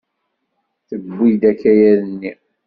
Tewwi-d akayad-nni.